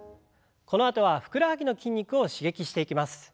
このあとはふくらはぎの筋肉を刺激していきます。